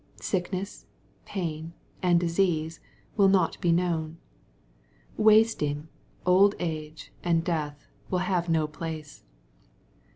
Sickness, pain, and disease, will not be known. Wasting^pjd age, and death will have no place.